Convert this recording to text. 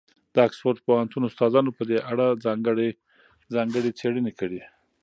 د اکسفورډ پوهنتون استادانو په دې اړه ځانګړې څېړنې کړي.